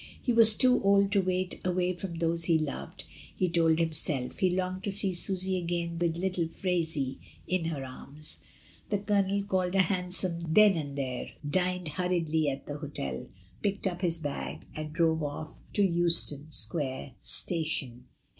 He was too old to wait away from those he loved, he told himself; he longed to see Susy again with little Phraisie in her arms. The Colonel called a hansom then and there, dined hurriedly at the hotel, picked up his bag, and drove off to Euston Square station.